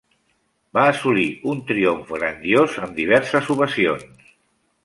Va assolir un triomf grandiós amb diverses ovacions.